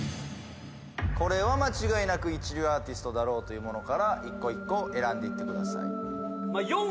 これは間違いなく一流アーティストだろうという物から一個一個選んでいってください。